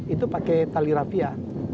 itu pakai tali rafia